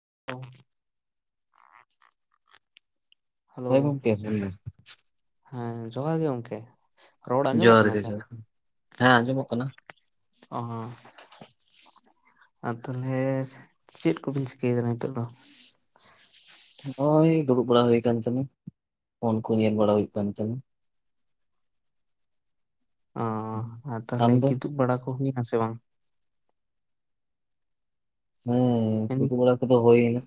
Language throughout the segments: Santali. [unintelligible] ᱦᱚᱭ ᱜᱚᱢᱠᱮ ᱦᱮᱸ ᱡᱚᱦᱟᱨ ᱜᱮ ᱜᱚᱝᱠᱮ᱾ ᱨᱚᱲ ᱟᱸᱡᱚᱢᱚᱜ ᱡᱚᱦᱟᱨ ᱠᱟᱱᱟ ᱜᱮ ᱥᱮ ᱡᱚᱦᱟᱨ ᱦᱮᱸ ᱟᱸᱡᱚᱢᱚᱜ ᱠᱟᱱᱟ ᱚ ᱟᱨ ᱛᱟᱦᱚᱞᱮ ᱪᱮᱫ ᱠᱚᱵᱤᱱ ᱪᱤᱠᱟᱹᱭᱮᱫᱟ ᱱᱤᱛᱚᱜ ᱫᱚ? ᱱᱚᱜᱼᱚᱭ ᱫᱩᱲᱩᱵ ᱵᱟᱲᱟ ᱦᱩᱭ ᱠᱟᱱ ᱛᱤ ᱯᱷᱳᱱ ᱠᱚ ᱧᱮᱞ ᱵᱟᱲᱟ ᱦᱩᱭᱩᱜ ᱠᱟᱱ ᱛᱟᱦᱮᱱᱟ᱾ ᱚ ᱟᱨ ᱟᱢ ᱛᱟᱦᱞᱮ ᱫᱚ ᱠᱤᱫᱩᱵᱽ ᱵᱟᱲᱟ ᱠᱚ ᱦᱩᱭᱱᱟ ᱥᱮ ᱵᱟᱝ? ᱦᱩᱸ ᱠᱤᱫᱩᱵᱽ ᱵᱟᱲᱟ ᱠᱚᱫᱚ ᱦᱩᱭ ᱮᱱᱟ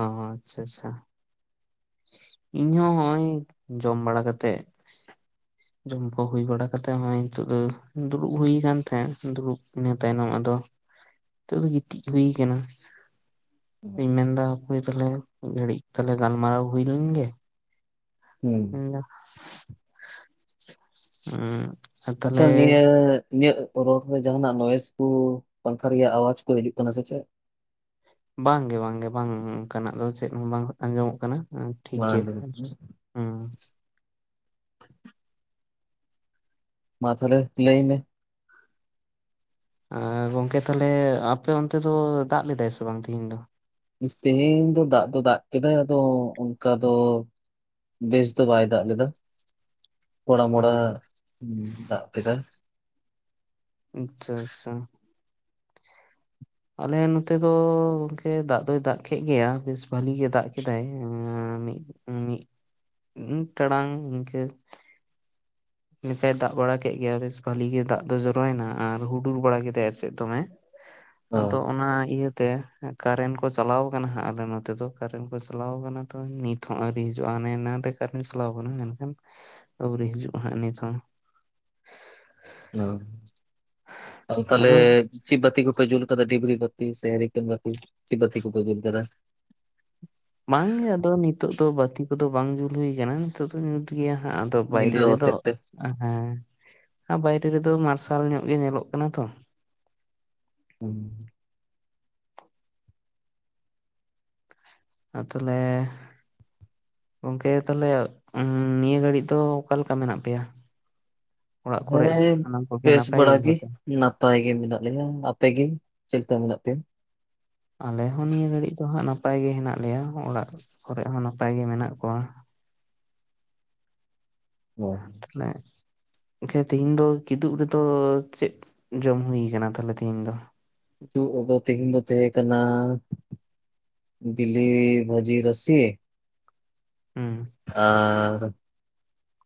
ᱚ ᱟᱪᱪᱷᱟ ᱟᱪᱪᱷᱟ ᱤᱧ ᱦᱚᱸ ᱱᱚᱜᱼᱚᱭ ᱡᱚᱢ ᱵᱟᱲᱟ ᱠᱟᱛᱮᱜ ᱡᱚᱢ ᱠᱚ ᱦᱩᱭ ᱵᱟᱲᱟ ᱠᱟᱛᱮᱜ ᱱᱚᱜᱚᱭ ᱱᱤᱛᱚᱜ ᱫᱚ ᱫᱩᱲᱩᱵ ᱦᱩᱭ ᱟᱠᱟᱱ ᱛᱟᱦᱮᱫ ᱫᱩᱲᱩᱵ ᱤᱱᱟᱹ ᱛᱟᱭᱱᱚᱢ ᱟᱫᱚ ᱱᱤᱛᱚᱜ ᱫᱚ ᱜᱤᱛᱤᱡ ᱦᱩᱭ ᱠᱟᱱᱟ ᱤᱧ ᱢᱮᱱᱫᱟ ᱚᱠᱚᱭ ᱛᱟᱦᱞᱮ ᱜᱷᱟᱹᱲᱤᱡ ᱛᱟᱦᱞᱮ ᱜᱟᱞᱢᱟᱨᱟᱣ ᱦᱩᱭ ᱞᱮᱱ ᱜᱮ ᱦᱩᱸ ᱤᱧ ᱫᱚ ᱦᱩᱸ ᱟᱪᱪᱷᱟ ᱱᱤᱭᱟᱹ ᱤᱧᱟᱹᱜ ᱨᱚᱲ ᱨᱮ ᱡᱟᱦᱱᱟᱜ ᱱᱚᱭᱮᱥ ᱠᱚ ᱯᱟᱝᱠ ᱨᱮᱭᱟᱜ ᱟᱣᱟᱡ ᱠᱚ ᱦᱤᱡᱩᱜ ᱠᱟᱱᱟ ᱥᱮ ᱪᱮᱫ? ᱵᱟᱝᱜᱮ ᱵᱟᱝᱜᱮ ᱵᱟᱝ ᱚᱱᱠᱟᱱᱟᱜ ᱫᱚ ᱪᱮᱫ ᱦᱚᱸ ᱵᱟᱝ ᱟᱸᱡᱚᱢᱚᱜ ᱠᱟᱱᱟ᱾ ᱦᱮ ᱴᱷᱤᱠ ᱵᱟᱝ ᱜᱮᱭᱟ ᱟᱸᱡᱚᱢᱚᱜ ᱦᱮᱸ ᱠᱟᱱᱟ ᱢᱟ ᱛᱟᱦᱚᱞᱮ ᱞᱟᱹᱭ ᱢᱮ ᱟᱨ ᱜᱚᱝᱠᱮ ᱛᱟᱦᱞᱮ ᱟᱯᱮ ᱚᱱᱛᱮ ᱫᱚ ᱫᱟᱜ ᱞᱮᱫᱟᱭ ᱥᱮ ᱵᱟᱝ ᱛᱮᱦᱤᱧ ᱫᱚ ᱛᱮᱦᱮᱧ ᱫᱚ ᱫᱟᱜ ᱫᱚ ᱫᱟᱜ ᱠᱮᱫᱟᱭ ᱟᱫᱚ ᱚᱱᱠᱟ ᱫᱚ ᱵᱮᱥ ᱫᱚ ᱵᱟᱭ ᱫᱟᱜ ᱞᱮᱫᱟ᱾ ᱠᱚᱲᱟ ᱦᱩᱸ ᱢᱚᱲᱟ ᱫᱟᱜ ᱠᱮᱫᱟᱭ ᱟᱪᱪᱷᱟ ᱟᱪᱪᱷᱟ ᱟᱞᱮ ᱱᱚᱛᱮ ᱫᱚ ᱜᱚᱝᱠᱮ ᱫᱟᱜ ᱫᱚᱭ ᱫᱟᱜ ᱠᱮᱫ ᱜᱮᱭᱟ ᱵᱮᱥ ᱵᱷᱟᱞᱤ ᱜᱮ ᱫᱟᱜ ᱠᱮᱫᱟᱭ᱾ ᱢᱤᱫ ᱢᱤᱫ ᱢᱤᱫ ᱴᱟᱲᱟᱝ ᱤᱱᱠᱟᱹ ᱮᱱᱠᱟᱭ ᱫᱟᱜ ᱵᱟᱲᱟ ᱠᱮᱫ ᱜᱮᱟᱭ ᱵᱮᱥ ᱵᱷᱟᱞᱤ ᱜᱮ ᱫᱟᱜ ᱫᱚ ᱡᱚᱨᱟᱭᱮᱱᱟ ᱟᱨ ᱦᱩᱰᱩᱨ ᱵᱟᱲᱟ ᱠᱮᱫᱟᱭ ᱮᱥᱮᱫ ᱫᱚᱢᱮ᱾ ᱚ ᱟᱫᱚ ᱚᱱᱟ ᱤᱭᱟᱹ ᱛᱮ ᱠᱟᱨᱮᱱᱴ ᱠᱚ ᱪᱟᱞᱟᱣ ᱟᱠᱟᱱᱟ ᱦᱟᱜ ᱟᱞᱮ ᱱᱚᱛᱮ ᱫᱚ ᱠᱟᱨᱮᱱᱴ ᱠᱚ ᱪᱟᱞᱟᱣ ᱟᱠᱟᱱᱟ ᱛᱚ ᱱᱤᱛ ᱦᱚᱸ ᱟᱹᱣᱨᱤ ᱦᱤᱡᱩᱜᱼᱟ᱾ ᱦᱟᱱᱮ ᱮᱱᱟᱱ ᱨᱮ ᱠᱟᱨᱮᱱ ᱪᱟᱞᱟᱣ ᱠᱟᱱᱟ ᱢᱮᱱᱠᱷᱟᱱ ᱟᱹᱣᱨᱤ ᱦᱤᱡᱩᱜ ᱱᱤᱛᱚᱝ ᱦᱚᱸ ᱚ ᱟᱫᱚ ᱛᱟᱦᱚᱞᱮ ᱪᱤ ᱵᱟᱛᱤ ᱠᱚᱯᱮ ᱡᱩᱞ ᱟᱠᱟᱫᱟ ᱰᱤᱵᱨᱤ ᱵᱟᱛᱤ [unintelligible] ᱪᱮᱫ ᱵᱟᱛᱤ ᱠᱚᱯᱮ ᱡᱩᱞ ᱠᱟᱫᱟ ᱵᱟᱝ ᱜᱮ ᱟᱫᱚ ᱱᱤᱛᱳᱜ ᱫᱚ ᱵᱟᱛᱤ ᱠᱚᱫᱚ ᱵᱟᱝ ᱡᱩᱞ ᱦᱩᱭ ᱠᱟᱱᱟ ᱱᱤᱛᱚᱜ ᱫᱚ ᱧᱩᱛ ᱜᱮᱭᱟ ᱦᱮ ᱟᱫᱚ ᱵᱟᱭᱨᱮ ᱧᱤᱫᱟᱹ ᱨᱮᱫᱚ ᱦᱚᱛᱮᱡ ᱛᱮ? ᱦᱮᱸ ᱵᱟᱭᱨᱮ ᱨᱮᱫᱚ ᱢᱟᱨᱥᱟᱞ ᱧᱚᱜ ᱜᱮ ᱧᱮᱞᱚᱜ ᱠᱟᱱᱟ ᱛᱚ ᱦᱮ ᱟᱨ ᱛᱟᱦᱚᱞᱮ ᱜᱚᱢᱠᱮ ᱛᱟᱦᱟᱞᱮ ᱱᱤᱭᱟᱹ ᱜᱷᱟᱹᱲᱤᱡ ᱫᱚ ᱚᱠᱟ ᱞᱮᱠᱟ ᱢᱮᱱᱟᱜ ᱯᱮᱭᱟ ᱚᱲᱟᱜ ᱠᱚᱨᱮ ᱦᱮᱸ ᱥᱟᱱᱟᱢ ᱠᱚᱜᱮ ᱵᱮᱥ ᱱᱟᱯᱟᱭ ᱜᱮᱭᱟ ᱵᱟᱲᱟᱜ ᱠᱚ ᱜᱮ ᱥᱮ ᱱᱟᱯᱟᱭ ᱜᱮ ᱢᱮᱱᱟᱜ ᱞᱮᱭᱟ ᱟᱯᱮ ᱜᱮ ᱪᱮᱫ ᱞᱮᱠᱟ ᱢᱮᱱᱟᱜ ᱯᱮᱭᱟ ᱟᱞᱮ ᱦᱚᱸ ᱱᱤᱭᱟᱹ ᱜᱷᱟᱹᱲᱤᱡ ᱫᱚ ᱦᱟᱸᱜ ᱱᱟᱯᱟᱭ ᱜᱮ ᱦᱮᱱᱟᱜ ᱞᱮᱭᱟ ᱚᱲᱟᱜ ᱠᱚᱨᱮᱜ ᱦᱚᱸ ᱱᱟᱯᱟᱭ ᱜᱮ ᱢᱮᱱᱟᱜ ᱠᱚᱣᱟ [inaudible] ᱚ ᱛᱟᱦᱚᱞᱮ ᱟᱪᱪᱷᱟ ᱛᱮᱦᱤᱧ ᱫᱚ ᱠᱤᱫᱩᱵ ᱨᱮᱫᱚ ᱪᱮᱫ ᱡᱚᱢ ᱦᱩᱭᱩ ᱠᱟᱱᱟ ᱛᱟᱦᱚᱞᱮ ᱛᱮᱦᱤᱧ ᱫᱚ ᱠᱤᱫᱩᱵ ᱨᱮᱫᱚ ᱛᱮᱦᱮᱧ ᱫᱚ ᱛᱟᱦᱮᱸ ᱠᱟᱱᱟ ᱵᱤᱞᱤ ᱵᱷᱟᱹᱡᱤ ᱨᱟᱥᱤ ᱦᱩᱸ ᱟᱨ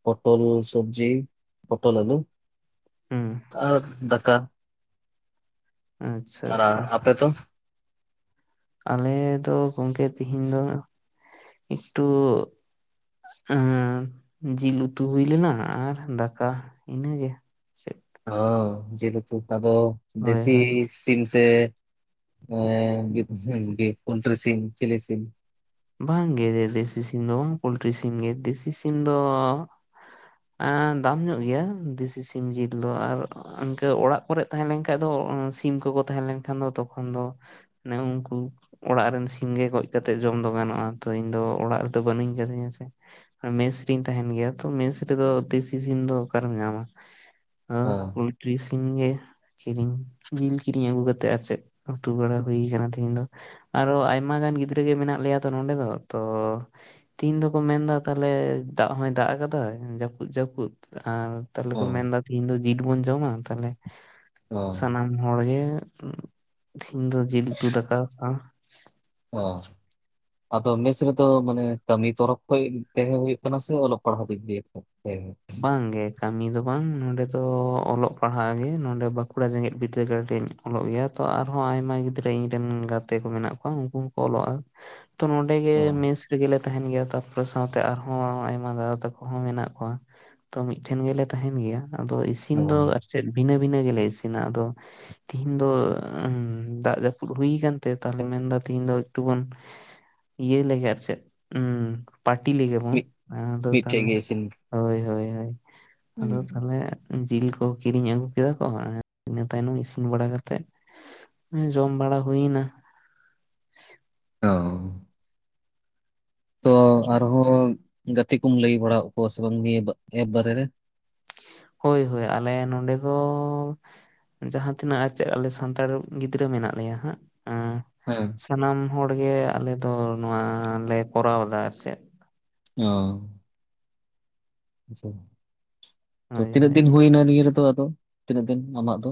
ᱯᱚᱴᱚᱞ ᱥᱚᱵᱡᱤ ᱯᱚᱴᱚᱞ ᱟᱞᱩ ᱦᱩᱸ ᱟᱨ ᱫᱟᱠᱟ ᱟᱪᱪᱷᱟ ᱟᱨ ᱟᱪᱪᱷᱟ ᱟᱯᱮ ᱫᱚ ᱟᱞᱮ ᱫᱚ ᱜᱚᱢᱠᱮ ᱛᱮᱦᱤᱧ ᱫᱚ ᱮᱠᱴᱩ ᱦᱚᱸ ᱡᱤᱞ ᱩᱛᱩ ᱦᱩᱭ ᱞᱮᱱᱟ ᱟᱨ ᱫᱟᱠᱟ ᱤᱱᱟᱹᱜᱮ ᱪᱮᱫ ᱚ ᱡᱤᱞ ᱩᱛᱩ ᱟᱫᱚ ᱦᱳᱭ ᱦᱳᱭ ᱫᱮᱥᱤ ᱥᱤᱢ ᱥᱮ ᱮ ᱫᱮᱥᱤ ᱥᱤᱢ ᱥᱮ ᱯᱳᱞᱴᱨᱤ ᱥᱤᱢ ᱪᱤᱞᱤ ᱥᱤᱢ ᱵᱟᱝᱜᱮ ᱫᱮᱥᱤ ᱥᱤᱢ ᱫᱚ ᱵᱟᱝ ᱯᱳᱞᱴᱨᱤ ᱥᱤᱢ ᱜᱮ ᱫᱮᱥᱤ ᱥᱤᱢ ᱫᱚ ᱫᱟᱢ ᱧᱚᱜ ᱜᱮᱭᱟ ᱫᱮᱥᱤ ᱥᱤᱢ ᱡᱤᱞ ᱫᱚ ᱟᱨ ᱤᱱᱠᱟᱹ ᱚᱲᱟᱜ ᱠᱚᱨᱮᱜ ᱛᱟᱦᱮᱸᱞᱮᱱᱠᱟᱡ ᱫᱚ ᱥᱤᱢ ᱠᱚᱠᱚ ᱛᱟᱦᱮᱸ ᱞᱮᱱᱠᱷᱟᱱ ᱫᱚ ᱛᱚᱠᱷᱚᱱ ᱫᱚ ᱩᱱᱠᱩ ᱚᱲᱟᱜ ᱨᱮᱱ ᱥᱤᱢ ᱜᱮ ᱜᱚᱡ ᱠᱟᱛᱮ ᱡᱚᱢ ᱫᱚ ᱜᱟᱱᱚᱜᱼᱟ ᱛᱚ ᱤᱧ ᱫᱚ ᱚᱲᱟᱜ ᱨᱮᱫᱚ ᱵᱟᱹᱱᱩᱧ ᱟᱠᱟᱫᱤᱧᱟ ᱥᱮ ᱢᱮᱥ ᱨᱮᱧ ᱛᱟᱦᱮᱱ ᱜᱮᱭᱟ ᱛᱚ ᱢᱮᱥ ᱨᱮᱫᱚ ᱫᱮᱥᱤ ᱥᱤᱢ ᱫᱚ ᱚᱠᱟᱨᱮᱢ ᱧᱟᱢᱟ ᱦᱮᱸ ᱯᱳᱞᱴᱨᱤ ᱛᱤᱦᱤᱱ ᱜᱮ ᱠᱤᱨᱤᱧ ᱡᱤᱞ ᱠᱤᱨᱤᱧ ᱟᱹᱜᱩ ᱠᱟᱛᱮᱜ ᱟᱨ ᱪᱮᱫ ᱩᱛᱩ ᱵᱟᱲᱟ ᱦᱩᱭ ᱠᱟᱱᱟ ᱛᱤᱦᱤᱧ ᱫᱚ ᱟᱨᱦᱚ ᱟᱭᱢᱟ ᱜᱟᱱ ᱜᱤᱫᱽᱨᱟᱹ ᱜᱮ ᱢᱮᱱᱟᱜ ᱞᱮᱭᱟ ᱛᱚ ᱱᱚᱰᱮ ᱫᱚ ᱛᱚ ᱛᱮᱦᱤᱧ ᱫᱚᱠᱚ ᱢᱮᱱ ᱮᱫᱟ ᱛᱟᱦᱠᱮ ᱫᱟᱜ ᱦᱚᱭ ᱫᱟᱜ ᱠᱟᱫᱟᱭ ᱡᱟᱹᱯᱩᱫ ᱡᱟᱹᱯᱩᱫ ᱠᱩ [unintelligible] ᱟᱨ ᱛᱟᱦᱚᱞᱮ ᱠᱚ ᱦᱮᱸ ᱢᱮᱱᱫᱟ ᱛᱤᱦᱤᱧ ᱫᱚ ᱡᱤᱞ ᱵᱚᱱ ᱡᱚᱢᱟ ᱛᱟᱦᱚᱞᱮ ᱦᱮᱸ ᱥᱟᱱᱟᱢ ᱦᱚᱲ ᱜᱮ ᱛᱮᱦᱮᱧ ᱫᱚ ᱡᱤᱞ ᱩᱛᱩ ᱫᱟᱠᱟ ᱦᱮᱸ ᱦ [inaudible] ᱟᱫᱚ ᱢᱮᱥ ᱨᱮᱫᱚ ᱢᱟᱱᱮ ᱠᱟᱹᱢᱤ ᱛᱚᱨᱚᱵ ᱠᱷᱚᱡ ᱛᱟᱦᱮᱸ ᱦᱳᱭᱳᱜ ᱠᱟᱱᱟ ᱥᱮ ᱚᱞᱚᱜ ᱯᱟᱲᱦᱟᱜ ᱫᱤᱠ ᱫᱤᱭᱮ ᱛᱟᱦᱮᱸ ᱵᱟᱝᱜᱮ ᱠᱟᱹᱢᱤ ᱫᱚ ᱵᱟᱝ ᱱᱚᱸᱰᱮ ᱫᱚ ᱚᱞᱚᱜ ᱯᱟᱲᱦᱟᱜ ᱜᱮ ᱱᱚᱰᱮ ᱵᱟᱸᱠᱩᱲᱟ ᱡᱮᱸᱜᱮᱛ ᱵᱤᱨᱫᱟᱹᱜᱟᱲ ᱞᱮ ᱚᱞᱚᱜ ᱜᱮᱭᱟ ᱛᱚ ᱟᱨᱦᱚᱸ ᱟᱭᱢᱟ ᱜᱤᱫᱽᱨᱟᱹ ᱤᱧ ᱨᱮᱱ ᱜᱟᱛᱮ ᱠᱚ ᱢᱮᱱᱟᱜ ᱠᱚᱣᱟ ᱩᱱᱠᱩ ᱦᱚᱸᱠᱚ ᱚᱞᱚᱜᱼᱟ ᱛᱚ ᱱᱚᱰᱮ ᱜᱮ ᱢᱮᱥ ᱨᱮᱜᱮ ᱛᱟᱦᱮᱱ ᱜᱮᱭᱟ ᱛᱟᱨᱯᱚᱨᱮ ᱥᱟᱶᱛᱮ ᱟᱨᱦᱚᱸ ᱟᱭᱢᱟ ᱫᱟᱫᱟ ᱛᱟᱠᱚ ᱦᱚᱸ ᱢᱮᱱᱟᱜ ᱠᱚᱣᱟ ᱛᱚ ᱢᱤᱫᱴᱷᱮᱱ ᱜᱮᱞᱮ ᱛᱟᱦᱮᱱ ᱜᱮᱭᱟ ᱟᱫᱚ ᱤᱥᱤᱱ ᱫᱚ ᱦᱮᱸ ᱟᱨ ᱪᱮᱫ ᱵᱷᱤᱱᱟᱹ ᱵᱤᱱᱟᱹ ᱜᱮᱞᱮ ᱤᱥᱤᱱᱟ ᱟᱫᱚ ᱛᱤᱦᱤᱧ ᱫᱚ ᱫᱟᱜ ᱡᱟᱯᱩᱫ ᱦᱩᱭ ᱠᱟᱱ ᱛᱮ ᱛᱟᱦᱚᱞᱮ ᱢᱮᱱᱫᱟ ᱛᱮᱦᱤᱧ ᱫᱚ ᱮᱠᱴᱩ ᱵᱚᱱ ᱤᱭᱟᱹ ᱞᱮᱜᱮ ᱟᱨ ᱪᱮᱫ ᱦᱩᱸ ᱯᱟᱴᱤ ᱞᱮᱜᱮ ᱵᱚᱱ ᱢᱤᱫ ᱟᱫᱚ ᱢᱤᱫᱴᱷᱮᱡ ᱛᱟᱦᱚᱞᱮ ᱜᱮ ᱤᱥᱤᱱ ᱦᱳᱭ ᱦᱳᱭ ᱟᱫᱚ ᱦᱩᱸ, ᱛᱟᱦᱚᱞᱮ ᱡᱤᱞ ᱠᱚ ᱠᱤᱨᱤᱧ ᱟᱹᱜᱩ ᱠᱮᱫᱟ ᱠᱚ ᱤᱱᱟᱹ ᱛᱟᱭᱱᱚᱢ ᱤᱥᱤᱱ ᱵᱟᱲᱟ ᱠᱟᱛᱮᱜ ᱡᱚᱢ ᱵᱟᱲᱟ ᱦᱩᱭᱱᱟ ᱚ ᱛᱚ ᱟᱨᱦᱚᱸ ᱜᱟᱛᱮ ᱠᱚᱢ ᱞᱟᱹᱭ ᱵᱟᱲᱟᱟᱣ ᱟᱠ ᱠᱚᱣᱟ ᱥᱮ ᱵᱟᱝ ᱱᱤᱭᱟᱹ ᱮᱯ ᱵᱟᱨᱮ ᱨᱮ ᱦᱳᱭ! ᱦᱳᱭ ᱟᱞᱮ ᱱᱚᱰᱮ ᱫᱚ ᱡᱟᱦᱟᱸ ᱛᱤᱱᱟᱹᱜ ᱪᱮᱫ ᱟᱞᱮ ᱥᱟᱱᱛᱟᱲ ᱜᱤᱫᱽᱨᱟᱹ ᱢᱮᱱᱟᱜ ᱞᱮᱭᱟ ᱦᱟᱸᱜ᱾ ᱦᱮᱸ ᱥᱟᱱᱟᱢ ᱦᱚᱲᱜᱮ ᱟᱞᱮ ᱫᱚ ᱱᱚᱣᱟᱞᱮ ᱠᱚᱨᱟᱣᱫᱟ ᱟᱨ ᱪᱮᱫ ᱚ ᱟᱪᱪᱷᱟ ᱛᱚ ᱦᱳᱭ ᱛᱤᱱᱟᱹᱜ ᱦᱳᱭ ᱫᱤᱱ ᱦᱩᱭᱱᱟ ᱱᱤᱭᱟᱹ ᱨᱮᱫᱚ ᱛᱤᱱᱟᱹᱜ ᱫᱤᱱ ᱟᱢᱟᱜ ᱫᱚ?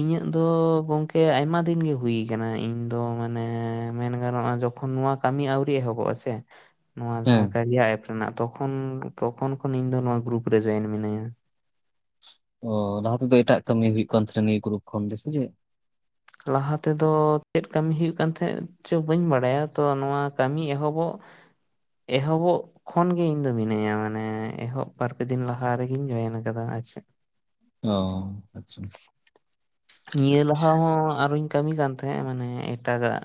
ᱤᱧᱟᱹᱜ ᱫᱚ ᱜᱚᱝᱠᱮ ᱟᱭᱢᱟ ᱫᱤᱱᱜᱮ ᱦᱩᱭ ᱠᱟᱱᱟ ᱤᱧ ᱫᱚ ᱢᱟᱱᱮ ᱢᱮᱱ ᱜᱟᱱᱚᱜᱼᱟ, ᱡᱮ ᱡᱚᱠᱷᱚᱱ ᱱᱚᱣᱟ ᱠᱟᱹᱢᱤ ᱟᱹᱣᱨᱤ ᱮᱦᱚᱵᱚᱜ ᱟ ᱥᱮᱮ ᱱᱚᱣᱟ ᱦᱮᱸ ᱡᱟᱦᱟᱸ ᱠᱟᱨᱤᱭᱟ ᱮᱯ ᱨᱮᱱᱟᱜ ᱛᱚᱠᱷᱚᱱ ᱠᱷᱚᱱ ᱤᱧ ᱫᱚ ᱱᱚᱣᱟ ᱜᱨᱩᱯ ᱨᱮ ᱡᱚᱭᱮᱱ ᱢᱤᱱᱟᱹᱧᱟ᱾ ᱚ ᱞᱟᱦᱟ ᱛᱮᱫᱚ ᱮᱴᱟᱜ ᱠᱟᱹᱢᱤ ᱦᱩᱭᱩᱜ ᱠᱟᱱ ᱛᱟᱦᱮᱱᱟ ᱱᱤᱭᱟᱹ ᱜᱩᱨᱩ ᱠᱷᱚᱱ ᱥᱮ ᱪᱮᱫ ᱞᱟᱦᱟ ᱛᱮᱫᱚ ᱪᱮᱫ ᱠᱟᱹᱢᱤ ᱦᱩᱭᱩᱜ ᱠᱟᱱ ᱛᱟᱦᱮᱸᱫ ᱪᱚ ᱵᱟᱹᱧ ᱵᱟᱲᱟᱭᱟ ᱛᱚ ᱱᱚᱶᱟ ᱠᱟᱹᱢᱤ ᱮᱦᱚᱵᱚᱜ [inaudible] ᱮᱦᱚᱵᱚᱜ ᱠᱷᱚᱱᱜᱤ ᱤᱧ ᱫᱚ ᱢᱤᱱᱟᱹᱧᱟ ᱢᱟᱱᱮ ᱮᱦᱚᱵ ᱵᱟᱨᱯᱮ ᱫᱤᱱ ᱞᱟᱦᱟ ᱨᱮᱜᱤᱧ ᱡᱚᱭᱮᱱ ᱟᱠᱟᱫᱟ᱾ ᱟᱪᱪᱷᱟ ᱚ ᱟᱪᱪᱷᱟ ᱱᱤᱭᱟᱹ ᱞᱟᱦᱟ ᱦᱚᱸ ᱟᱨᱚᱧ ᱠᱟᱹᱢᱤ ᱠᱟᱱ ᱛᱟᱦᱮᱸᱫ ᱢᱟᱱᱮ ᱮᱴᱟᱜᱟᱜ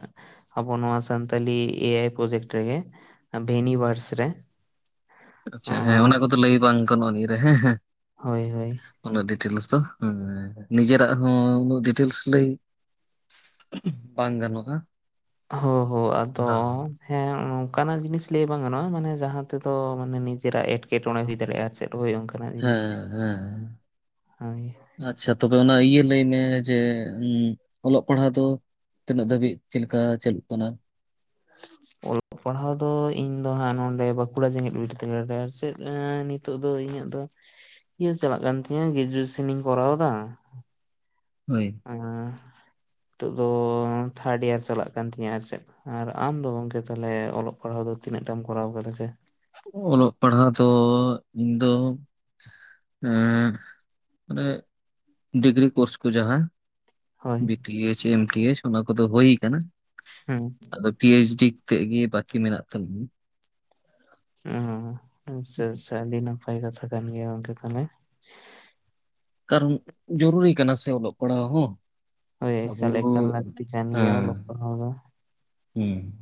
ᱟᱵᱚ ᱱᱚᱣᱟ ᱥᱟᱱᱛᱟᱞᱤ ᱮ ᱟᱭ ᱯᱨᱚᱡᱮᱠᱴ ᱨᱮᱜᱮ ᱵᱷᱮᱱᱤᱵᱷᱟᱨᱥ ᱨᱮ ᱟᱪᱪᱷᱟ ᱦᱮᱸ ᱚ ᱚᱱᱟ ᱠᱚᱫᱚ ᱞᱟᱹᱭ ᱵᱟᱝ ᱜᱟᱱᱚᱜᱼᱟ᱾ ᱱᱤᱭᱟᱹ ᱨᱮ ᱦᱮᱸ ᱦᱮᱸ ᱦᱳᱭ ᱦᱳᱭ ᱩᱱᱟᱹᱜ ᱰᱤᱴᱮᱞᱥ ᱫᱚ ᱦᱮ ᱱᱤᱡᱮᱨᱟᱜ ᱦᱚᱸ ᱩᱱᱟᱹᱜ ᱰᱤᱴᱮᱞᱥ ᱞᱟᱹᱭ ᱵᱟᱝ ᱜᱟᱱᱚᱜᱼᱟ᱾ ᱦᱳ ᱦᱳ ᱟᱫᱚ ᱦᱮᱸ ᱦᱮᱸ ᱚᱱᱠᱟᱱᱟᱜ ᱡᱤᱱᱤᱥ ᱞᱟᱹᱭ ᱵᱟᱝ ᱜᱟᱱᱚᱜᱼᱟ ᱢᱟᱱᱮ ᱡᱟᱦᱟᱸ ᱛᱮᱫᱚ ᱢᱟᱱᱮ ᱱᱤᱡᱮᱨᱟᱜ ᱮᱴᱠᱮᱴᱚᱬᱮ ᱦᱩᱭ ᱫᱟᱲᱮᱭᱟᱜᱼᱟ᱾ ᱪᱮᱫ ᱦᱳᱭ ᱚᱱᱠᱟᱱᱟᱜ ᱡᱤᱱᱤᱥ ᱦᱮᱸ ᱦᱮᱸ ᱦᱳᱭ ᱟᱪᱪᱷᱟ ᱛᱚᱵᱮ ᱚᱱᱟ ᱤᱭᱟᱹ ᱞᱟᱹᱭ ᱢᱮ ᱡᱮ ᱚᱞᱚᱜ ᱯᱟᱲᱦᱟᱜ ᱫᱚ ᱛᱤᱱᱟᱹᱜ ᱫᱷᱟᱹᱵᱤᱡ ᱪᱮᱫ ᱞᱮᱠᱟ ᱪᱟᱞᱩᱜ ᱠᱟᱱᱟ᱾ [unintelligible] ᱚᱞᱚᱜ ᱯᱟᱲᱦᱟᱣ ᱫᱚ ᱤᱧ ᱫᱚ ᱦᱟᱸᱜ ᱱᱚᱰᱮ ᱵᱟᱸᱠᱩᱲᱟ ᱡᱮᱜᱮᱛ ᱵᱤᱨ ᱛᱮ ᱪᱮᱫ ᱱᱤᱛᱚᱜ ᱫᱚ ᱤᱧᱟᱹᱜ ᱫᱚ ᱤᱭᱟᱹ ᱪᱟᱞᱟᱜ ᱠᱟᱱ ᱛᱤᱧᱟᱹ ᱜᱨᱮᱡᱩᱭᱮᱥᱚᱱ ᱤᱧ ᱠᱚᱨᱟᱣᱫᱟ᱾ ᱦᱳᱭ ᱦᱮᱸ ᱱᱤᱛᱚᱜ ᱫᱚ ᱛᱷᱟᱨᱰ ᱤᱭᱟᱨ ᱪᱟᱞᱟᱜ ᱠᱟᱱ ᱛᱤᱧᱟᱹ ᱟᱨ ᱪᱮᱫ ᱟᱨ ᱟᱢ ᱫᱚ ᱜᱚᱝᱠᱮ ᱛᱟᱦᱚᱞᱮ ᱚᱞᱚᱜ ᱯᱟᱲᱦᱟᱜ ᱫᱚ ᱛᱤᱱᱟᱹᱜᱟᱢ ᱠᱚᱨᱟᱣ ᱟᱠᱟᱫᱟ ᱥᱮ? ᱚᱞᱚᱜ ᱯᱟᱲᱦᱟᱜ ᱫᱚ ᱤᱧᱫᱚ ᱮ ᱢᱟᱱᱮ ᱰᱤᱜᱽᱨᱤ ᱠᱳᱨᱥ ᱠᱚ ᱡᱟᱦᱟᱸ ᱦᱳᱭ B T H M T H ᱚᱱᱟ ᱠᱚᱫᱚ ᱦᱩᱭ ᱠᱟᱱᱟ᱾ ᱦᱩᱸ ᱟᱫᱚ ᱯᱤ ᱮᱭᱤᱪ ᱰᱤ ᱛᱮ ᱜᱮ ᱵᱟᱹᱠᱤ ᱢᱮᱱᱟᱜ ᱛᱟᱹᱟᱞᱤᱧᱟ ᱚ ᱟᱪᱪᱷᱟ ᱟᱪᱪᱷᱟ ᱟᱹᱰᱤ ᱱᱟᱯᱟᱭ ᱠᱟᱛᱷᱟ ᱠᱟᱱ ᱜᱮᱭᱟ ᱜᱚᱝᱠᱮ ᱛᱟᱦᱞᱮ ᱠᱟᱨᱚᱱ ᱡᱚᱨᱩᱨᱤ ᱠᱟᱱᱟ ᱥᱮ ᱚᱞᱚᱜ ᱯᱟᱲᱦᱟᱜ ᱦᱚᱸ ᱦᱳᱭ ᱟᱵᱚ ᱮᱠᱟᱞ ᱮᱠᱟᱞ ᱞᱟᱹᱠᱛᱤ ᱠᱟᱱ ᱜᱮᱭᱟ ᱦᱮᱸ ᱚᱞᱚᱜ ᱯᱟᱲᱦᱟᱶ ᱫᱚ ᱦᱩᱸ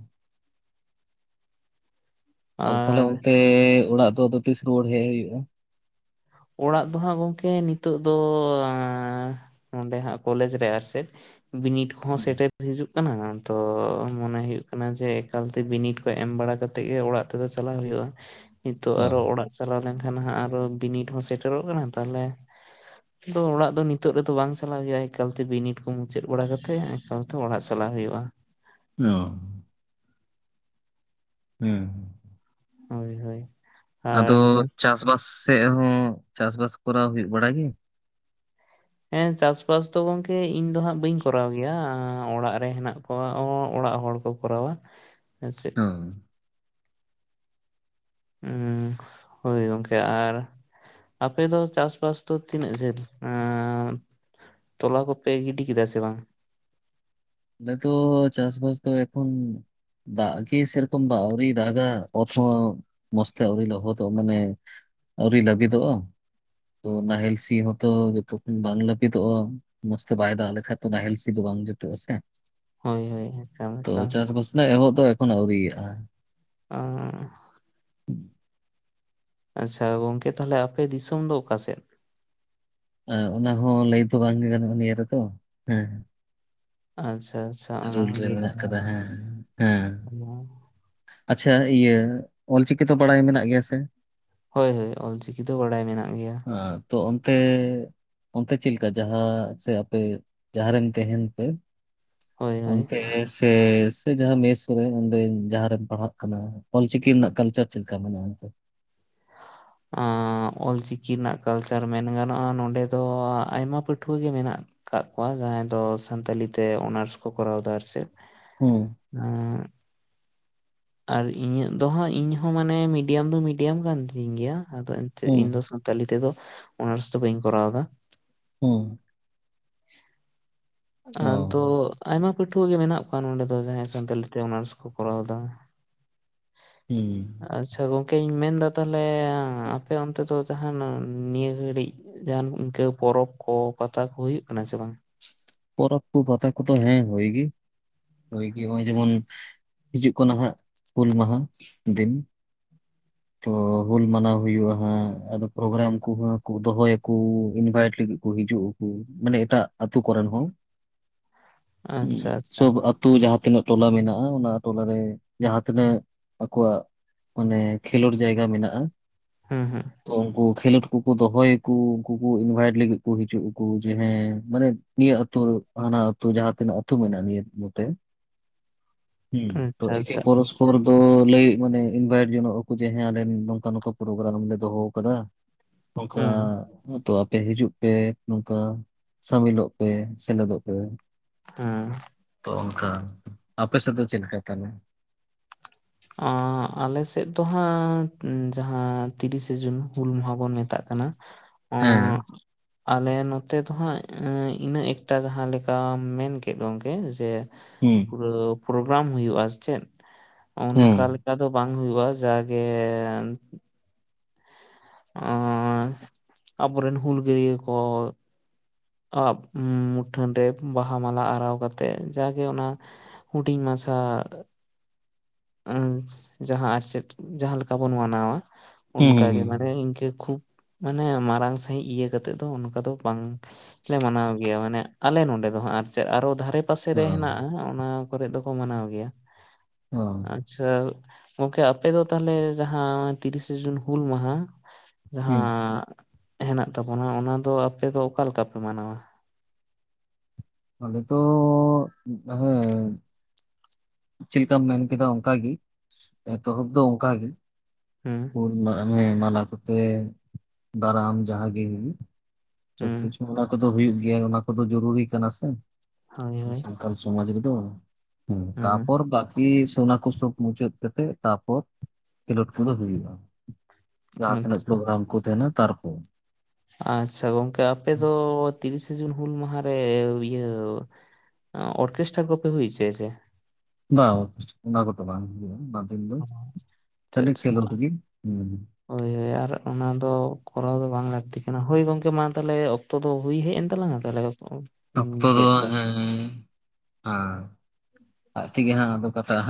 ᱟ ᱛᱟᱦᱞᱮ ᱟᱨ ᱚᱱᱛᱮ ᱚᱲᱟᱜ ᱫᱚᱫᱚ ᱛᱤᱥ ᱨᱩᱣᱟᱹᱲ ᱦᱮᱡ ᱦᱩᱭᱩᱜᱼᱟ᱾ ᱚᱲᱟᱜ ᱫᱚ ᱦᱟᱸᱜ ᱜᱚᱢᱠᱮ ᱱᱤᱛᱚᱜ ᱫᱚ ᱱᱚᱰᱮ ᱦᱟᱸᱜ ᱠᱚᱞᱮᱡᱽ ᱨᱮ ᱟᱨᱥᱮᱫ ᱵᱤᱱᱤᱰ ᱠᱚᱦᱚᱸ ᱥᱮᱴᱮᱨ ᱦᱤᱡᱩᱜ ᱦᱩᱭᱩᱜ ᱠᱟᱱᱟ ᱛᱚ ᱢᱚᱱᱮ ᱦᱩᱭᱩᱜ ᱠᱟᱱᱟ ᱡᱮ ᱮᱠᱟᱞᱛᱮ ᱵᱤᱱᱤᱰ ᱠᱚ ᱮᱢ ᱵᱟᱲᱟ ᱠᱟᱛᱮ ᱜᱮ ᱚᱲᱟᱜ ᱛᱮᱫᱚ ᱪᱟᱞᱟᱜ ᱦᱩᱭᱩᱜ ᱱᱤᱛᱚᱜ ᱟᱨᱚ ᱚᱲᱟᱜ ᱪᱟᱞᱟᱣ ᱞᱮᱱᱠᱷᱟᱱ ᱦᱟᱜ ᱟᱨᱚ ᱵᱤᱱᱤᱰ ᱥᱮᱴᱮᱨᱚᱜ ᱠᱟᱱᱟ ᱛᱟᱦᱞᱮ ᱫᱚ ᱚᱲᱟᱜ ᱫᱚ ᱱᱤᱛᱚᱜ ᱨᱮᱫᱚ ᱵᱟᱝ ᱪᱟᱞᱟᱜ ᱦᱩᱭᱩᱜᱼᱟ᱾ ᱮᱠᱟᱞᱛᱮ ᱵᱤᱱᱤᱰ ᱠᱚ ᱢᱩᱪᱟᱹᱫ ᱵᱟᱲᱟ ᱠᱟᱛᱮᱜ ᱮᱠᱟᱞᱛᱮ ᱚᱲᱟᱜ ᱪᱟᱞᱟᱜ ᱦᱩᱭᱩᱜᱼᱟ᱾ ᱦᱩᱭᱩᱜᱼᱟ᱾ [unintelligible] ᱦᱮᱸ ᱦᱮᱸ ᱦᱳᱭ ᱦᱳᱭ ᱟᱫᱚ ᱟᱨ ᱪᱟᱥᱵᱟᱥ ᱥᱮᱫ ᱦᱚᱸ ᱪᱟᱥᱵᱟᱥ ᱠᱚᱨᱟᱣ ᱦᱩᱭᱩᱜ ᱵᱟᱲᱟ ᱜᱮᱭᱟ? ᱦᱮᱸ ᱪᱟᱥᱵᱟᱥ ᱫᱚ ᱜᱚᱝᱠᱮ ᱤᱧ ᱫᱚ ᱦᱟᱸᱜ ᱵᱟᱹᱧ ᱠᱚᱨᱟᱣ ᱜᱮᱭᱟ ᱚᱲᱟᱜ ᱨᱮ ᱦᱮᱱᱟᱜ ᱠᱚᱣᱟ᱾ ᱚᱲᱟᱜ ᱦᱚᱲ ᱠᱚ ᱠᱚᱨᱟᱣᱟ ᱦᱮᱸ ᱥᱮ ᱦᱚᱸ ᱦᱮᱸ ᱦᱳᱭ ᱜᱚᱢᱠᱮ ᱟᱨ ᱟᱯᱮ ᱫᱚ ᱪᱟᱥ-ᱵᱟᱥ ᱫᱚ ᱛᱤᱱᱟᱹᱜ ᱰᱷᱮᱨ [unintelligible] ᱮ? ᱛᱚᱞᱟ ᱠᱚᱯᱮ ᱜᱤᱰᱤ ᱠᱮᱫᱟ ᱥᱮ ᱵᱟᱝ? ᱟᱞᱮ ᱫᱚ ᱪᱟᱥ-ᱵᱟᱥ ᱫᱚ ᱮᱠᱷᱚᱱ ᱫᱟᱜ ᱜᱮ ᱥᱮᱨᱚᱠᱚᱢ ᱟᱹᱣᱨᱤ ᱫᱟᱜᱟ ᱚᱛ ᱦᱚ ᱢᱚᱡᱽᱛᱮ ᱟᱹᱣᱨᱤ ᱞᱚᱦᱚᱫᱚᱜ ᱢᱟᱱᱮ ᱟᱹᱣᱨᱤ ᱞᱟᱹᱵᱤᱫᱚᱜᱼᱟ? ᱛᱚ ᱱᱟᱦᱮᱞ ᱥᱤ ᱦᱚᱸᱛᱚ ᱵᱟᱝ ᱞᱟᱹᱵᱤᱛᱚᱜᱼᱟ ᱢᱚᱸᱡᱽ ᱛᱮ ᱵᱟᱭ ᱫᱟᱜ ᱞᱮᱠᱷᱟᱱ ᱱᱟᱦᱮᱞ ᱥᱤ ᱫᱚ [unintelligible] ᱵᱟᱝ ᱡᱚᱛᱩᱜ-ᱟ ᱥᱮ᱾ ᱦᱳᱭ ᱦᱳᱭ ᱮᱠᱟᱞ ᱛᱚ ᱮᱠᱟᱞ ᱪᱟᱥ-ᱵᱟᱥ ᱞᱮ ᱮᱦᱚᱵ ᱛᱚ ᱮᱠᱷᱚᱱ ᱟᱹᱣᱨᱤᱭᱟᱜᱼᱟ᱾ ᱟᱸ ᱟᱪᱪᱷᱟ ᱜᱚᱝᱠᱮ ᱛᱟᱦᱞᱮ ᱟᱯᱮ ᱫᱤᱥᱚᱢ ᱫᱚ ᱚᱠᱟ ᱥᱮᱫ? ᱚᱱᱟ ᱦᱚᱸ ᱞᱟᱹᱭ ᱫᱚ ᱵᱟᱝᱜᱮ ᱜᱟᱱᱚᱜᱼᱟ ᱱᱤᱭᱟᱹ ᱨᱮᱫᱚ ᱦᱮᱸ ᱟᱪᱪᱷᱟ ᱟᱪᱪᱷᱟ ᱚᱱᱟ ᱨᱩᱞ ᱦᱚᱸ ᱨᱮ ᱞᱟᱹᱭ ᱢᱮᱱᱟᱜ ᱠᱟᱫᱟ ᱜᱟᱱᱚᱜᱼᱟ ᱦᱮᱸ ᱦᱮᱸ [unintelligible] ᱟᱪᱪᱷᱟ ᱤᱭᱟᱹ ᱚᱞ ᱪᱤᱠᱤ ᱛᱚ ᱵᱟᱰᱟᱭ ᱢᱮᱱᱟᱜ ᱜᱮᱭᱟ ᱥᱮ? ᱦᱚᱭ ᱦᱚᱭ ᱚᱞ ᱪᱤᱠᱤ ᱫᱚ ᱵᱟᱰᱟᱭ ᱢᱮᱱᱟᱜ ᱜᱮᱭᱟ᱾ ᱦᱮᱸ [unintelligible] ᱚᱱᱛᱮ ᱪᱮᱫ ᱞᱮᱠᱟ ᱡᱟᱦᱟᱸ ᱥᱮ ᱟᱯᱮ ᱡᱟᱦᱟᱸᱨᱮᱢ ᱛᱟᱦᱮᱱ ᱯᱮ ᱦᱳᱭ ᱦᱳᱭ ᱚᱱᱛᱮ ᱥᱮ ᱡᱟᱦᱟᱸ ᱢᱮᱥ ᱠᱚᱨᱮ ᱚᱸᱰᱮ ᱡᱟᱦᱟᱸ ᱨᱮᱢ ᱯᱟᱲᱦᱟᱜ ᱠᱟᱱᱟ ᱚᱞᱪᱤᱠᱤ ᱨᱮᱱᱟᱜ ᱠᱟᱞᱪᱟᱨ ᱪᱮᱫ ᱞᱮᱠᱟ ᱢᱮᱱᱟᱜᱼᱟ ᱚᱱᱛᱮ? [unintelligible] ᱚᱞᱪᱤᱠᱤ ᱨᱮᱱᱟᱜ ᱠᱟᱞᱪᱟᱨ ᱢᱮᱱ ᱜᱟᱱᱚᱜᱼᱟ ᱱᱚᱸᱰᱮ ᱫᱚ ᱟᱭᱢᱟ ᱯᱟᱹᱴᱷᱩᱣᱟᱹ ᱜᱮ ᱢᱮᱱᱟᱜ ᱟᱠᱟᱫ ᱠᱚᱣᱟ ᱾ ᱡᱟᱦᱟᱸᱭ ᱫᱚ ᱥᱟᱱᱛᱟᱞᱤ ᱛᱮ ᱚᱱᱟᱨᱥ ᱠᱚ ᱠᱚᱨᱟᱣ ᱫᱟ ᱟᱨ ᱪᱮ ᱦᱩᱸ ᱦᱩᱸ [inaudible] ᱟᱨ ᱤᱧᱟᱹᱜ ᱫᱚᱦᱟᱸᱜ ᱤᱧᱦᱚ ᱢᱟᱱᱮ ᱢᱤᱰᱤᱭᱟᱢ ᱫᱚ ᱢᱤᱰᱤᱭᱟᱢ ᱠᱟᱱ ᱛᱤᱧ ᱜᱮᱭᱟ ᱟᱫᱚ ᱤᱧ ᱫᱚ ᱦᱩᱸ ᱥᱟᱱᱛᱟᱞᱤ ᱛᱮᱫᱚ ᱚᱱᱟᱨᱥ ᱫᱚ ᱵᱟᱹᱧ ᱠᱚᱨᱟᱣ ᱫᱟ ᱾ ᱦᱚᱸ ᱟᱫᱚ ᱟᱭᱢᱟ ᱯᱟᱹᱴᱷᱩᱣᱟᱹ ᱜᱮ ᱢᱮᱱᱟᱜ ᱠᱚᱣᱟ ᱱᱚᱸᱰᱮ ᱫᱚ ᱡᱟᱦᱟᱸᱭ ᱥᱟᱱᱛᱟᱞᱤ ᱛᱮ ᱚᱱᱟᱨᱥ ᱠᱚ ᱠᱚᱨᱟᱣ ᱮᱫᱟ᱾ ᱦᱩᱸ ᱟᱪᱪᱷᱟ ᱜᱚᱝᱠᱮᱧ ᱢᱮᱱ ᱫᱟ ᱛᱟᱦᱚᱞᱮ ᱟᱯᱮ ᱚᱱᱛᱮ ᱫᱚ ᱡᱟᱦᱟᱱ ᱱᱤᱭᱟᱹ ᱜᱷᱟᱹᱲᱤᱡ ᱡᱟᱦᱟᱱ ᱤᱱᱠᱟᱹ ᱯᱚᱨᱚᱵᱽ ᱠᱚ? ᱯᱟᱛᱟ ᱠᱚ ᱦᱩᱭᱩᱜ ᱠᱟᱱᱟ ᱥᱮ ᱵᱟᱝ? ᱯᱚᱨᱚᱵ ᱠᱚ ᱯᱟᱛᱟ ᱠᱚ ᱫᱚ ᱦᱮᱸ ᱦᱩᱭ ᱜᱮ ᱾ ᱦᱩᱭ ᱜᱮ ᱱᱚᱜᱼᱚᱭ ᱡᱮᱢᱚᱱ ᱦᱤᱡᱩᱜ ᱠᱟᱱᱟ ᱦᱟᱸᱜ ᱦᱩᱞ ᱢᱟᱦᱟ ᱫᱤᱱ ᱾ [inaudible] ᱛᱚ ᱦᱩᱞ ᱢᱟᱱᱟᱣ ᱦᱩᱭᱩᱜᱼᱟ ᱦᱟᱸᱜ ᱟᱫᱚ ᱯᱨᱳᱜᱨᱟᱢ ᱠᱚᱦᱚ ᱠᱚ ᱫᱚᱦᱚᱭᱟᱠᱚ ᱤᱱᱵᱟᱭᱤᱴ ᱞᱟᱹᱜᱤᱫ ᱠᱚ ᱾ ᱦᱤᱡᱩᱜ ᱟᱠᱚ ᱢᱟᱱᱮ ᱮᱴᱟᱜ ᱟᱹᱛᱩ ᱠᱚᱨᱮᱱ ᱦᱚᱸ ᱦᱚᱸ ᱟᱪᱪᱷᱟ ᱟᱪᱪᱷᱟ ᱥᱚᱵᱽ ᱟᱛᱩ ᱡᱟᱦᱟᱸ ᱛᱤᱱᱟᱹᱜ ᱴᱚᱞᱟ ᱢᱮᱱᱟᱜᱼᱟ ᱚᱱᱟ ᱴᱚᱞᱟᱨᱮ ᱡᱟᱦᱟᱸ ᱛᱤᱱᱟᱹᱜ ᱟᱠᱚᱣᱟᱜ ᱚᱱᱮ ᱠᱷᱮᱞᱳᱰ ᱡᱟᱭᱜᱟ ᱢᱮᱱᱟᱜᱼᱟ ᱦᱩᱸ ᱛᱚ ᱩᱱᱠᱩ ᱠᱷᱮᱞᱳᱰ ᱩᱱᱠᱩ ᱠᱚ ᱫᱚᱦᱚ ᱭᱟᱠᱚ ᱩᱱᱠᱩ ᱠᱚ ᱤᱱᱵᱷᱟᱭᱤᱴ ᱞᱟᱹᱜᱤᱫ ᱠᱚ ᱦᱤᱡᱩᱜ ᱟᱠᱚ ᱡᱮ ᱦᱮᱸ ᱢᱟᱱᱮ ᱱᱤᱭᱟᱹ ᱟᱹᱛᱩ ᱦᱟᱱᱟ ᱟᱹᱛᱩ ᱡᱟᱦᱟᱸ ᱛᱱᱟᱹᱜ ᱟᱹᱛᱩ ᱢᱮᱱᱟᱜᱼᱟ ᱱᱤᱭᱟᱹ ᱱᱚᱛᱮ ᱦᱮᱸ ᱦᱩᱸ ᱛᱚ ᱮᱠᱮ ᱟᱪᱪᱷᱟ ᱟᱪᱪᱷᱟ ᱯᱚᱨᱚᱥᱯᱚᱨ ᱫᱚ ᱞᱟᱹᱭ ᱢᱟᱱᱮ ᱤᱱᱵᱷᱟᱭᱤᱴ ᱡᱚᱱᱚᱜ ᱟᱠᱚ ᱡᱮ ᱦᱮᱸ ᱟᱞᱮ ᱱᱚᱝᱠᱟ ᱱᱚᱝᱠᱟ ᱯᱨᱳᱜᱨᱟᱢ ᱞᱮ ᱫᱚᱦᱚ ᱟᱠᱟᱫᱟ ᱾ ᱱᱚᱝᱠᱟ ᱦᱩᱸ ᱦᱩᱸ ᱛᱚ ᱟᱯᱮ ᱦᱤᱡᱩᱜ ᱯᱮ ᱱᱚᱝᱠᱟ ᱥᱟᱹᱢᱤᱞᱚᱜ ᱯᱮ ᱥᱮᱞᱮᱫᱚᱜ ᱯᱮ ᱦᱮᱸ ᱾ ᱛᱚ ᱚᱱᱠᱟ ᱟᱯᱮ ᱥᱮᱫ ᱫᱚ ᱪᱮᱫ ᱞᱮᱠᱟ ᱛᱟᱦᱞᱮ? ᱟᱸ ᱟᱞᱮ ᱥᱮᱫ ᱫᱚ ᱦᱟᱸᱜ ᱡᱟᱦᱟᱸ ᱛᱤᱨᱤᱥᱮ ᱡᱩᱱ ᱦᱩᱞ ᱢᱟᱦᱟ ᱵᱚᱱ ᱢᱮᱛᱟᱜ ᱠᱟᱱᱟ ᱦᱮᱸ, [unintelligible] ᱟᱞᱮ ᱱᱚᱛᱮ ᱫᱚᱦᱟᱸᱜ ᱤᱱᱟᱹᱜ ᱮᱠᱴᱟ ᱡᱟᱦᱟᱸ ᱞᱮᱠᱟᱢ ᱢᱮᱱ ᱠᱮᱫ ᱜᱚᱝᱠᱮ ᱡᱮ ᱦᱩᱸ, ᱯᱩᱨᱟᱹ ᱯᱨᱳᱜᱨᱟᱢ ᱦᱩᱭᱩᱜᱼᱟ ᱪᱮᱫ ᱦᱩᱸ, ᱚᱱᱠᱟᱞᱮᱠᱟ ᱫᱚ ᱵᱟᱝ ᱦᱩᱭᱩᱜᱼᱟ ᱡᱟᱜᱮ ᱟᱨ ᱟᱵᱚᱨᱮᱱ ᱦᱩᱞᱜᱟᱹᱨᱭᱟᱹ ᱠᱚ ᱢᱩᱴᱷᱟᱹᱱ ᱨᱮ ᱵᱟᱦᱟ ᱢᱟᱞᱟ ᱟᱨᱟᱣ ᱠᱟᱛᱮᱮᱫ ᱡᱟᱜᱮ ᱚᱱᱟ ᱦᱤᱰᱤᱧ ᱢᱟᱪᱷᱟ ᱡᱟᱦᱟᱸ ᱥᱮᱛ ᱡᱟᱦᱟᱸᱞᱮᱠᱟ ᱵᱚᱱ ᱢᱟᱱᱟᱣᱟ ᱾ ᱚᱱᱠ ᱦᱩᱸ, ᱦᱩᱸ, ᱜᱮ ᱦᱩᱸ᱾ ᱢᱟᱱᱮ ᱤᱱᱠᱟᱹ ᱠᱷᱩᱵ ᱢᱟᱱᱮ ᱢᱟᱨᱟᱝ ᱥᱟᱺᱦᱤᱡ ᱤᱭᱟᱹ ᱠᱟᱛᱮ ᱫᱚ ᱚᱱᱠᱟ ᱫᱚ ᱵᱟᱝ ᱞᱮ ᱢᱟᱱᱟᱣ ᱜᱮᱭᱟ ᱢᱟᱱᱮ ᱟᱞᱮ ᱱᱚᱸᱰᱮ ᱫᱚ ᱦᱟᱸᱜ ᱟᱨ ᱟᱨᱚ ᱫᱷᱟᱨᱮ ᱯᱟᱥᱮ ᱨᱮ ᱦᱚᱸ, ᱦᱮᱱᱟᱜᱼᱟ ᱚᱱᱟ ᱠᱚᱨᱮ ᱫᱚᱠᱚ ᱢᱟᱱᱟᱣ ᱜᱮᱭᱟ ᱾ ᱦᱚᱸ, ᱜᱚᱝᱠᱮ ᱟᱯᱮ ᱫᱚ ᱛᱟᱦᱮ ᱡᱟᱦᱟᱸ ᱛᱤᱨᱤᱥᱮ ᱡᱩᱱ ᱦᱩᱞ ᱢᱟᱦᱟ ᱦᱩᱸ᱾ ᱡᱟᱦᱟᱸ ᱦᱮᱱᱟᱜ ᱛᱟᱵᱚᱱᱟ ᱚᱱᱟ ᱫᱚ ᱟᱯᱮ ᱫᱚ ᱚᱠᱟ ᱞᱮᱠᱟ ᱯᱮ ᱢᱟᱱᱟᱣᱟ ᱾ ᱱᱚᱰᱮ ᱫᱚ ᱦᱮᱸ ᱪᱮᱫᱠᱟᱢ ᱢᱮᱱ ᱠᱮᱫᱟ ᱚᱱᱠᱟᱜᱮ ᱮᱛᱚᱦᱚᱵ ᱫᱚ ᱚᱱᱠᱟᱜᱮ ᱦᱩᱸ ᱾ ᱢᱟᱞᱟ ᱠᱚᱛᱮ ᱫᱟᱨᱟᱢ ᱡᱟᱦᱟᱸ ᱜᱮ ᱦᱩᱭᱩᱜ ᱾ ᱥᱚᱵ ᱦᱩᱸ ᱠᱤᱪᱷᱩ ᱚᱱᱟ ᱠᱚᱫᱚ ᱦᱩᱭᱩᱜ ᱜᱮᱭᱟ ᱚᱱᱟ ᱠᱚᱫᱚ ᱡᱩᱨᱩᱨᱤ ᱠᱟᱱᱟ ᱥᱮ ᱦᱳᱭ ᱾ ᱦᱳᱭ ᱥᱟᱱᱛᱟᱞ ᱥᱚᱢᱟᱡᱽ ᱨᱮ ᱫᱚ ᱛᱟᱨ ᱦᱩᱸ ᱯᱚᱨ ᱵᱟᱠᱤ ᱥᱚ ᱟᱨ ᱠᱚᱥᱵ ᱢᱩᱪᱟᱹᱫ ᱠᱟᱛᱮ ᱛᱟᱨᱯᱚᱨ ᱠᱷᱮᱞᱳᱰ ᱠᱚᱫᱚ ᱦᱩᱭᱩᱜᱼᱟ ᱾ ᱡᱟᱦᱟᱸ ᱛᱤᱱᱟ ᱟᱪᱪᱷᱟ ᱯᱨᱳᱜᱨᱟᱢ ᱠᱚ ᱛᱟᱦᱮᱱᱟ ᱛᱟᱨ ᱟᱪᱪᱷᱟ ᱜᱚᱝᱠᱮ ᱟᱯᱮ ᱫᱚ ᱛᱤᱨᱤᱥᱮ ᱡᱩᱱ ᱦᱩᱞ ᱢᱟᱦᱟᱨᱮ ᱤᱭᱟᱹ ᱚᱨᱠᱮᱥᱴᱨᱟ ᱠᱚᱯᱮ ᱦᱩᱭ ᱪᱚ ᱟᱯᱮ ᱥᱮ? ᱵᱟᱝ ᱚᱱᱟ ᱠᱚᱫᱚ ᱵᱟᱝ ᱜᱮ ᱫᱤᱱ ᱫᱚ ᱟᱪᱪᱷᱟ ᱠᱷᱟᱹᱞᱤ ᱟᱪᱪᱷᱟ ᱠᱷᱮᱞᱳᱰ ᱦᱩᱸ ᱦᱳᱭ ᱟᱨ ᱚᱱᱟ ᱫᱚ ᱠᱚᱨᱟᱣ ᱫᱚ ᱵᱟᱝ ᱞᱟᱹᱠᱛᱤ ᱠᱟᱱᱟ ᱦᱳᱭ ᱜᱚᱝᱠᱮ ᱢᱟ ᱛᱟᱦᱚᱞᱮ ᱚᱠᱛᱚ ᱫᱚ ᱦᱩᱭ ᱦᱮᱡ ᱮᱱ ᱛᱟᱞᱟᱝᱟ ᱛᱮ ᱚᱠᱛᱚ ᱫᱚ ᱦᱮᱸ ᱟᱨ ᱟᱡ ᱛᱮᱜᱮ ᱦᱟᱸᱜ ᱫᱚ ᱠᱟᱴᱟᱜ ᱟ ᱦᱟᱜ ᱾